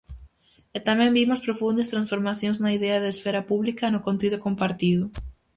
E tamén vimos profundas transformacións na idea de esfera pública, e no contido compartido.